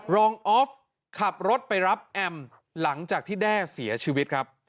ออฟขับรถไปรับแอมหลังจากที่แด้เสียชีวิตครับ